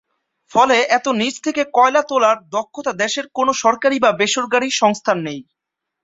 ফলে এত নীচ থেকে কয়লা তোলার দক্ষতা দেশের কোনও সরকারি বা বেসরকারি সংস্থার নেই।